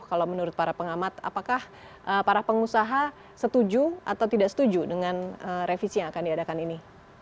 kalau menurut para pengamat apakah para pengusaha setuju atau tidak setuju dengan revisi yang akan diadakan ini